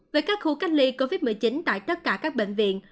với các khu cách ly covid một mươi chín tại tất cả các bệnh viện